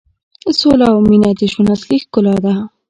سوله او مینه د ژوند اصلي ښکلا ده.